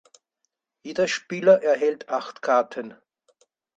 Jeder Spieler erhält acht Karten.